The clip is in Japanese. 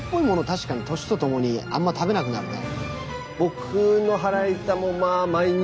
確かに年とともにあんま食べなくなるね。